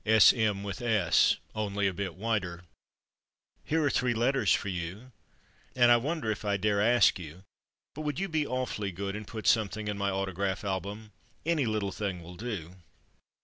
S. M. with S. (only a bit wider) :" Here are three letters for you, and I wonder if I dare ask you, but would you be awfully good and put something in my autograph album? Any little thing will do."